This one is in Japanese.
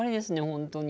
本当に。